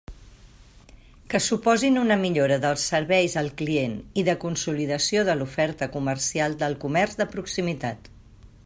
Que suposin una millora dels serveis al client i de consolidació de l'oferta comercial del comerç de proximitat.